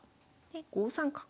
で５三角。